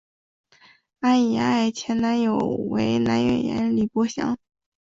安苡爱前男友为男演员李博翔。